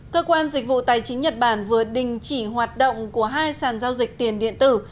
cơ quan dịch vụ tài chính nhật bản vừa đình chỉ hoạt động của hai sàn giao dịch tiền điện tử